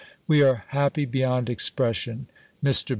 We are happy beyond expression. Mr.